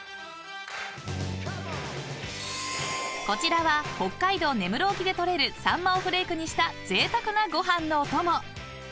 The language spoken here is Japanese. ［こちらは北海道根室沖で取れる秋刀魚をフレークにしたぜいたくなご飯のおとも］